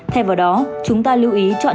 thay vào đó chúng ta lưu ý chọn